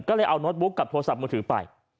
ก็เลยเอาโน้ตบุ๊กกับโทรศัพท์มือถือไป